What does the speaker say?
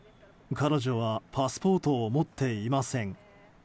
彼女はパスポートを持っていません。